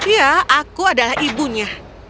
ya aku adalah ibunya